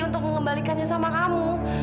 untuk mengembalikannya sama kamu